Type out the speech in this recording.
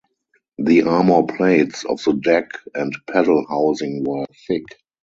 The armor plates of the deck and paddle housing were thick.